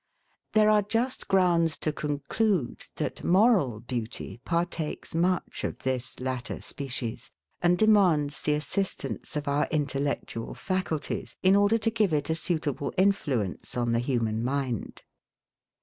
There are just grounds to conclude, that moral beauty partakes much of this latter species, and demands the assistance of our intellectual faculties, in order to give it a suitable influence on the human mind.